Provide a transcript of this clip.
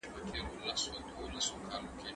موږ د پښتو ادب معاصر تاریخ لمانځو.